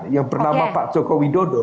yang bernama pak joko widodo